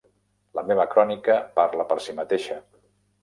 La meva crònica parla per si mateixa.